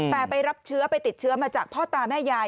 แต่ไปรับเชื้อไปติดเชื้อมาจากพ่อตาแม่ยาย